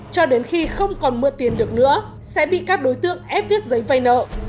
cho đến khi không còn mượn tiền được nữa sẽ bị các đối tượng ép viết giấy vay nợ